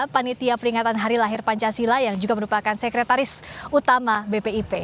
panitia peringatan hari lahir pancasila yang juga merupakan sekretaris utama bpip